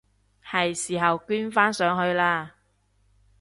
係時候捐返上去喇！